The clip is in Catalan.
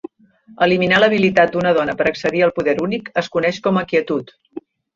Eliminar l'habilitat d'una dona per accedir al Poder Únic es coneix com a "quietud".